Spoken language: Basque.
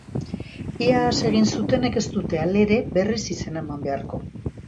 Iaz egin zutenek ez dute, halere, berriz izena eman beharko.